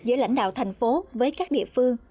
giữa lãnh đạo thành phố với các địa phương